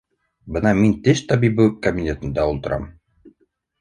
Бына мин теш табибы кабинетында ултырам.